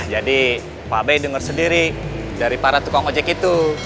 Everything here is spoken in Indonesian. jadi pak bay denger sendiri dari para tukang ojek itu